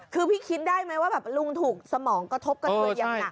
คือพี่คิดได้ไหมว่าลุงถูกสมองกระทบกับเกรียญหนัก